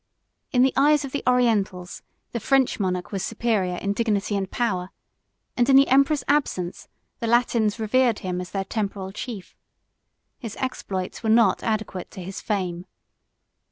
In the eyes of the Orientals; the French monarch was superior in dignity and power; and, in the emperor's absence, the Latins revered him as their temporal chief. 71 His exploits were not adequate to his fame.